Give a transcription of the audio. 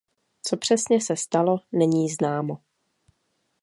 Co přesně se stalo není známo.